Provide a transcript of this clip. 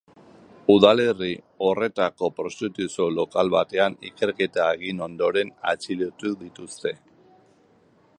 Udalerri horretako prostituzio lokal batean ikerketa egin ondoren atxilotu dituzte.